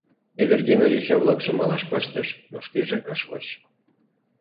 Эвердина йоча-влакшым малаш пыштыш, но шкеже ыш воч.